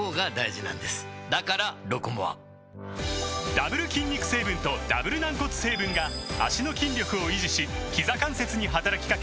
ダブル筋肉成分とダブル軟骨成分が脚の筋力を維持しひざ関節に働きかけ